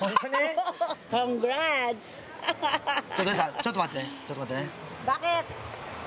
ちょっと待っててちょっと待ってね。